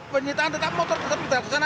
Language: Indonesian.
penyitaan tetap motor tetap kita tahan